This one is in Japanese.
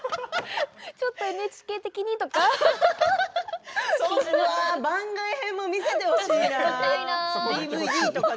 ちょっとＮＨＫ的にとか。